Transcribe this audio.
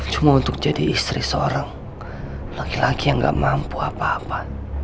cuma untuk jadi istri seorang laki laki yang gak mampu apa apa